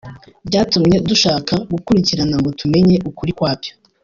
byatumye dushaka gukurikirana ngo tumenye ukuri kwabyo